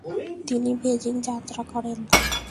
তিনি বেজিং যাত্রা করেন।